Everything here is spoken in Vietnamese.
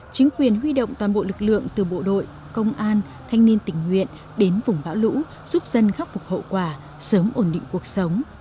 chính quyền huy động toàn bộ lực lượng từ bộ đội công an thanh niên tình nguyện đến vùng bão lũ giúp dân khắc phục hậu quả sớm ổn định cuộc sống